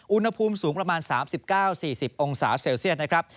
อุณหภูมิสูงประมาณ๓๙๔๐องศาเซลเซียตนะครับ